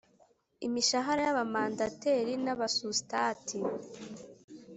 Imishara y Abamandateri n Abasusitati